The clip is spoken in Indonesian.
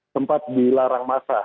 sempat dilarang masa